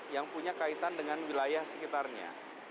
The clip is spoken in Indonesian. yang punya kaitan dengan wilayah sekitarnya